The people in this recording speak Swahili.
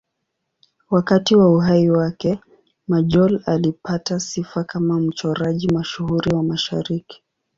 Wakati wa uhai wake, Majolle alipata sifa kama mchoraji mashuhuri wa Mashariki.